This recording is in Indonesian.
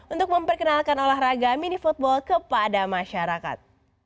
untuk memperkenalkan olahraga mini football kepada masyarakat